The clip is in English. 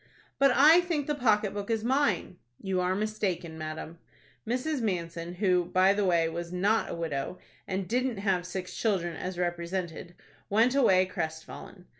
"But I think the pocket book is mine." "You are mistaken, madam." Mrs. Manson, who, by the way, was not a widow, and didn't have six children as represented, went away crestfallen.